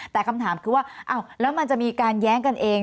แต่คำถามคือว่าแล้วมันจะมีการแย้งกันเอง